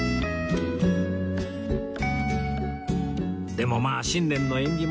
でもまあ新年の縁起物